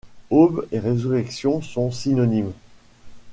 Aube et résurrection sont synonymes.